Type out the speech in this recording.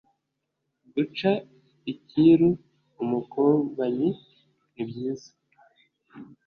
guca icyiru umukobanyi nibyiza